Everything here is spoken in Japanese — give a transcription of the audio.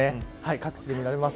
各地で見られます。